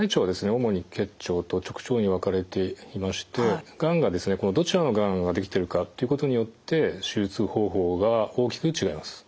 主に結腸と直腸に分かれていましてがんがどちらのがんができてるかっていうことによって手術方法が大きく違います。